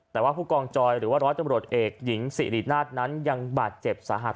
แต่ว่าผู้กองจอยหรือว่าร้อยตำรวจเอกหญิงสิรินาทนั้นยังบาดเจ็บสาหัส